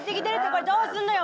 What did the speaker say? これどうするのよ？